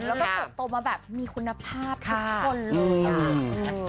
แล้วก็เติบโตมาแบบมีคุณภาพทุกคนเลย